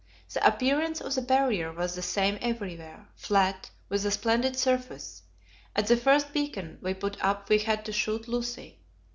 The appearance of the Barrier was the same everywhere flat, with a splendid surface. At the first beacon we put up we had to shoot Lucy.